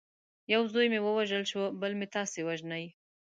یو زوی مې ووژل شو بل مې تاسي وژنئ.